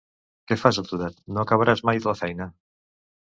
Què fas aturat, no acabaràs mai la feina!